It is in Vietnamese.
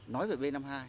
nói về b năm mươi hai